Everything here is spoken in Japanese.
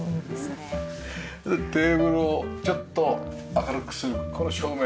テーブルをちょっと明るくするこの照明。